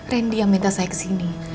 randy yang minta saya kesini